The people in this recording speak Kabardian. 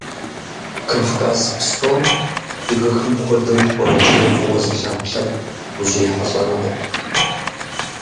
Кавказ псом адыгэхэм хуэдэу хуэрэджейр фӀыуэ зылъагъу лъэпкъ ущрихьэлӀэнукъым.